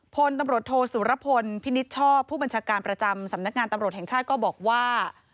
พลตำรวจโทสุรพลพินิษฐ์ชอบผู้บัญชาการประจำสำนักงานตำรวจแห่งชาติก็บอกว่า